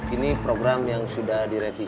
ini program yang sudah direvisi